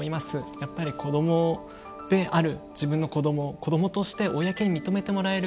やっぱり子どもである自分の子ども、子どもとして公に認めてもらえる。